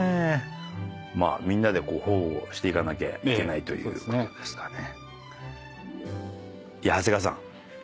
みんなで保護していかなきゃいけないということですかね。